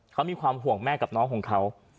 เขามีความห่วงแม่กับน้องของเขา